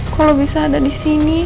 kok lo bisa ada disini